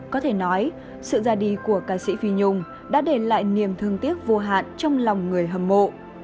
có thể nói sự ra đi của ca sĩ phi nhung đã để lại niềm thương tiếc vô hạn trong lòng người hâm mộ